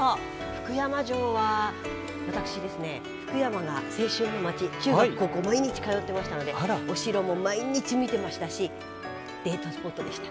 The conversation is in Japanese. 福山城は私ですね福山が青春の町中学高校毎日通ってましたのでお城も毎日見てましたしデートスポットでした。